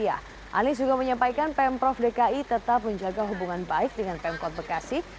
anies juga menyampaikan pemprov dki tetap menjaga hubungan baik dengan pemkot bekasi